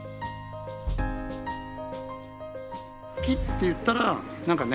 木っていったら何かね